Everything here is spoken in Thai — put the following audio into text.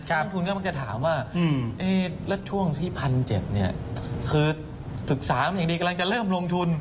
นักทุนก็มักจะถามว่าแล้วช่วงที่๑๗๐๐เนี่ยคือศึกษามาอย่างดีกำลังจะเริ่มลงทุน